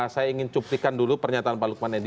saya ingin cuplikan dulu pernyataan pak lukman edi